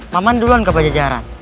pak man dulu enggak pajajaran